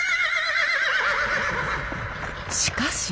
しかし。